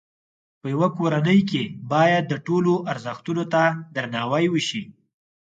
په یوه کورنۍ کې باید د ټولو ازرښتونو ته درناوی وشي.